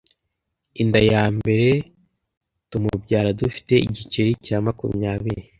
inda ya mbere tumubyara dufite igiceri cya makumybiri